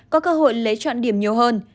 có cơ hội lấy chọn điểm nhiều hơn